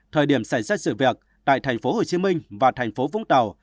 thời điểm xảy ra sự việc tại thành phố hồ chí minh và thành phố vũng tàu